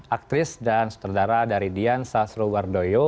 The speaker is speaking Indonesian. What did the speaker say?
aktris dan sutradara dari dian sasro wardoyo